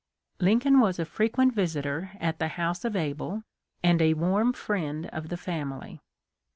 Lincoln was a frequent vis itor at the house of Able, and a warm friend of the family.